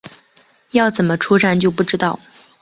要怎么出站就不知道